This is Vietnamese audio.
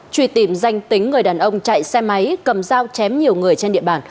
truy tìm danh tính người đàn ông chạy xe máy cầm dao chém nhiều người trên địa bàn